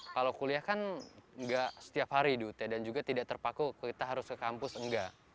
kalau kuliah kan nggak setiap hari dut dan juga tidak terpaku kita harus ke kampus enggak